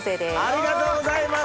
ありがとうございます！